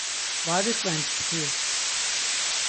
Var iqven ptkvi!